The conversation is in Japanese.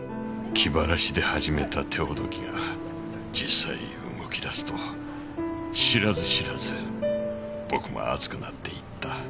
気晴らしで始めた手ほどきが実際動き出すと知らず知らず僕も熱くなっていった。